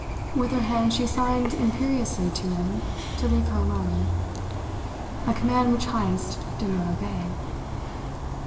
With her hand she signed imperiously to him to leave her alone a command which Heyst did not obey.